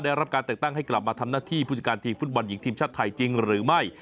ได้รับการแต่งตั้งให้กลับมาทำหน้าที่ผู้จัดการทีมฟุตบอลหญิงทีมชาติไทยจริงหรือไม่